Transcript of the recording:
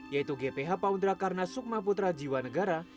yaitu gph paundra karna sukmaputra jiwa negara